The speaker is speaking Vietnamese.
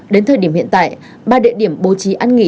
đến thời điểm hiện tại ba địa điểm bố trí ăn nghỉ